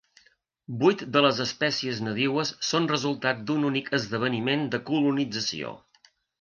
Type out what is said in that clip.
Vuit de les espècies nadiues són resultat d"un únic esdeveniment de colonització.